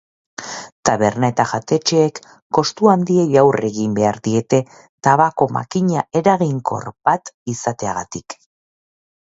Taberna eta jatetxeek kostu handiei aurre egin behar diete tabako-makina eraginkor bat izateagatik.